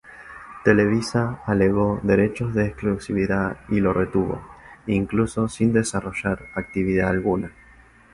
Televisa alegó derechos de exclusividad y lo retuvo, incluso sin desarrollar actividad alguna.